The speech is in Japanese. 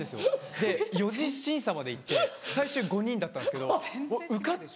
で４次審査まで行って最終５人だったんですけど受かって。